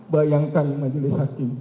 bayangkan majelis hakim